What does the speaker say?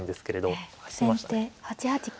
先手８八金。